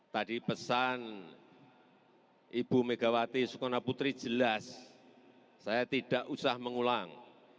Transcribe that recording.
tadi pesan ibu megawati sukarna putri jelas saya tidak usah mengulang